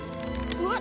うわっ！